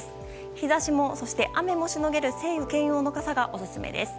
日差しも、そして雨もしのげる晴雨兼用の傘がオススメです。